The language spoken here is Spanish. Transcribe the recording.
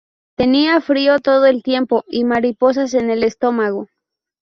Tenía frío todo el tiempo y mariposas en el estómago.